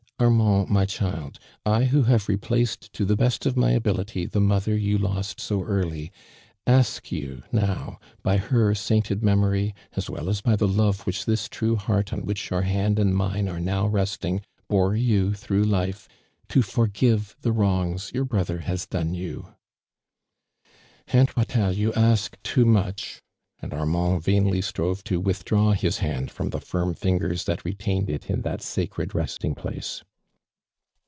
" Armand, my child, I who have replaced to the best of my ability the mother you lost so early, ask you, now, by her sainted memory, as well as by the love which this true heart on which your hand and mine are now resting, bore you through life, to forgive tlie wrongs youi brother has done youT' "Aunt Patello, you ask too much," and Armand vainly strove to withdraw his hand from the firm fingoi,s that retained it in that sacred resting place.